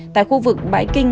tại khu vực bãi kinh